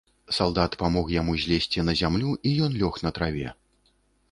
Салдат памог яму злезці на зямлю, і ён лёг на траве.